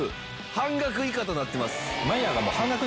半額以下となってます。